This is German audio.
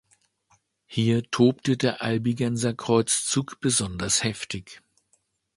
Hier tobte der Albigenserkreuzzug besonders heftig.